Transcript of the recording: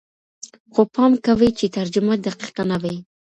خو پام کوئ چې ترجمه دقیقه نه وي.